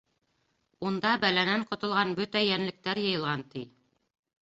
Унда бәләнән ҡотолған бөтә йәнлектәр йыйылған, ти.